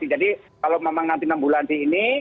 jadi kalau memang nanti enam bulan di ini